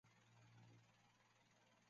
外婆行动还算顺利